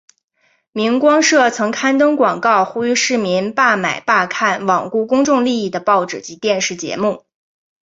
明光社曾刊登广告呼吁市民罢买罢看罔顾公众利益的报纸及电视节目。